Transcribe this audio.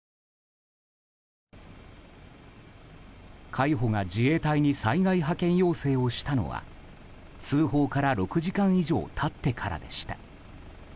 海保が自衛隊に災害派遣要請をしたのは通報から６時間以上経ってからでした。